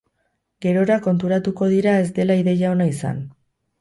Gerora konturatuko dira ez dela ideia ona izan.